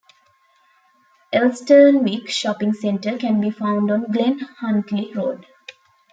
Elsternwick shopping centre can be found on Glen Huntly Road.